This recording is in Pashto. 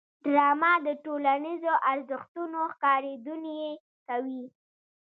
ډرامه د ټولنیزو ارزښتونو ښکارندويي کوي